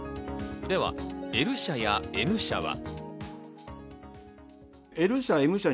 では、Ｌ社やＭ社は。